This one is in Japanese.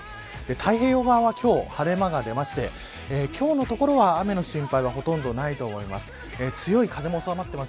太平洋側は今日、晴れ間が出て今日のところは雨の心配はほとんどないと思います。